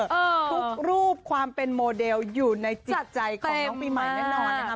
ทุกรูปความเป็นโมเดลอยู่ในจิตใจของน้องปีใหม่แน่นอนนะคะ